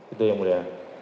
itu yang mulia